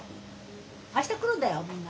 あした来るんだよみんな。